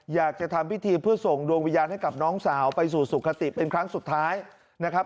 อยากจะทำพิธีเพื่อส่งดวงวิญญาณให้กับน้องสาวไปสู่สุขติเป็นครั้งสุดท้ายนะครับ